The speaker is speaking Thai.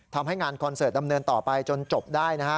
ทำให้งานคอนเสิร์ตดำเนินต่อไปจนจบได้นะฮะ